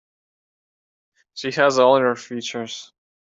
She has all your features.